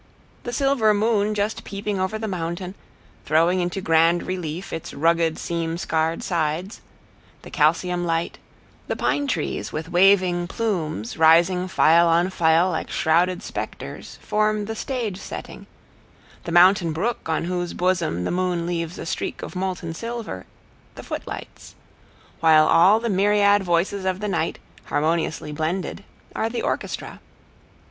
The silver moon just peeping over the mountain, throwing into grand relief its rugged seam scarred sides, the calcium light; the pine trees with waving plumes, rising file on file like shrouded specters, form the stage setting; the mountain brook, on whose bosom the moon leaves a streak of molten silver, the footlights; while all the myriad voices of the night, harmoniously blended, are the orchestra.